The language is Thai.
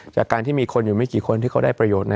จากการที่มีคนอยู่ไม่กี่คนที่เขาได้ประโยชน์